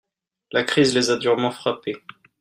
La crise les a durement frappé.